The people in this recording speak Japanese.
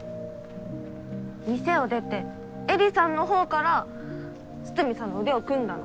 店を出て絵里さんのほうから筒見さんの腕を組んだの。